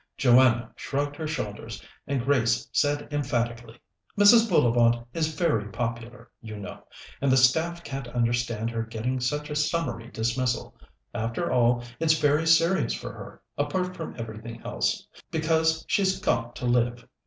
Joanna shrugged her shoulders, and Grace said emphatically: "Mrs. Bullivant is very popular, you know, and the staff can't understand her getting such a summary dismissal. After all, it's very serious for her, apart from everything else, because she's got to live."